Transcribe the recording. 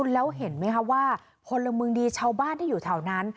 แล้วเห็นไหมคะว่าพลเมืองดีชาวบ้านที่อยู่แถวนั้น